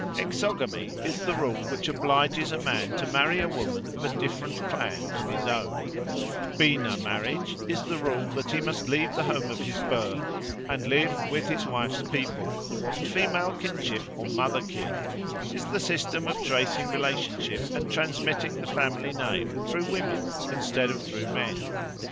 Exogamy is the rule which obliges a man to marry a woman of a different clan from his own: beena marriage is the rule that he must leave the home of his birth and live with his wife's people; and female kinship or mother kin is the system of tracing relationship and transmitting the family name through women instead of through men.